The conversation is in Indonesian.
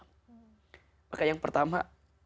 maka yang pertama